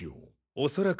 おそらく。